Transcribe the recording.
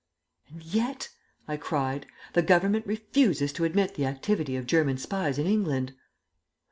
"And yet," I cried, "the Government refuses to admit the activity of German spies in England!"